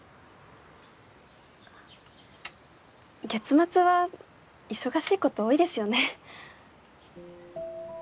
月末は忙しいこと多いですよね。